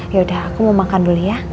ya udah aku mau makan dulu ya